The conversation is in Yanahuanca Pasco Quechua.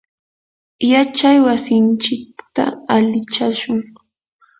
yachay wasinchikta alichashun.